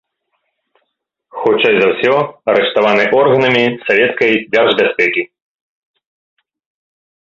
Хутчэй за ўсё, арыштаваны органамі савецкай дзяржбяспекі.